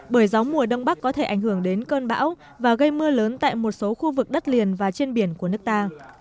bởi gió mùa đông bắc có thể ảnh hưởng đến cơn bão và gây mưa lớn tại một số khu vực đất liền và trên biển của nước ta